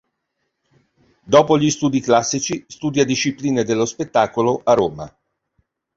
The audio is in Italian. Dopo gli studi classici studia Discipline dello Spettacolo a Roma.